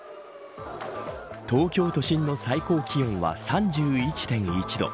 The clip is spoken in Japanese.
東京都心の最高気温は３１．１度。